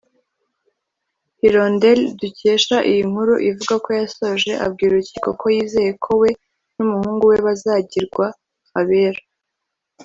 Hirondelle dukesha iyi nkuru ivuga ko yasoje abwira urukiko ko yizeye ko we n’umuhungu we bazagirwa abere